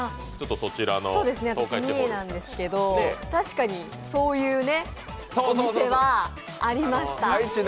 そうですね、私、三重なんですけど、確かにそういうお店はありました。